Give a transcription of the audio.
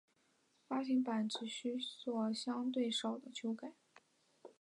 发行版只需要作相对少的修改。